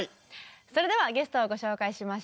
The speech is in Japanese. それではゲストをご紹介しましょう。